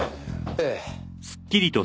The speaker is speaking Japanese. ええ。